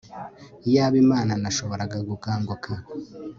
Iyaba Imana nashoboraga gukanguka